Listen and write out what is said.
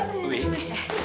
gak tahu itu apa isinya